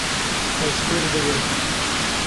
Ez fêr dibim.